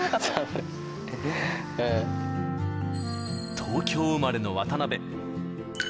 東京生まれの渡辺。